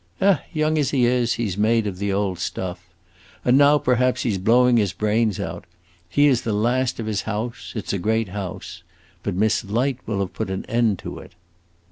"Eh, young as he is, he 's made of the old stuff. And now, perhaps he 's blowing his brains out. He is the last of his house; it 's a great house. But Miss Light will have put an end to it!"